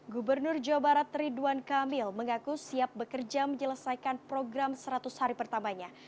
gubernur jawa barat ridwan kamil mengaku siap bekerja menyelesaikan program seratus hari pertamanya